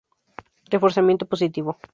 Reforzamiento positivo.